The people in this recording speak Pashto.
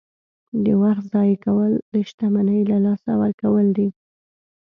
• د وخت ضایع کول د شتمنۍ له لاسه ورکول دي.